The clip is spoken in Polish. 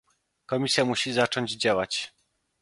Komisja musi zacząć działać